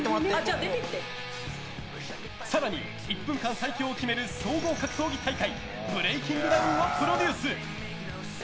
更に、１分間最強を決める総合格闘技大会ブレイキングダウンをプロデュース！